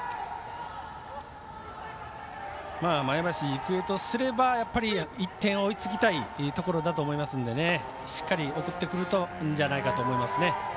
前橋育英とすれば１点、追いつきたいところだと思いますのでしっかり送ってくるんじゃないかと思いますね。